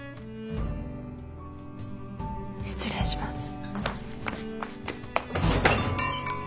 失礼します。